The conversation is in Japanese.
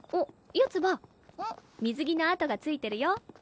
四葉水着のあとがついてるよ